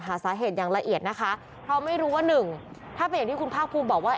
หาสาเหตุอย่างละเอียดนะคะเพราะไม่รู้ว่าหนึ่งถ้าเป็นอย่างที่คุณภาคภูมิบอกว่า